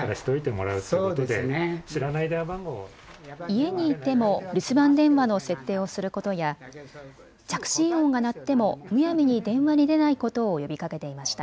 家にいても留守番電話の設定をすることや着信音が鳴ってもむやみに電話に出ないことを呼びかけていました。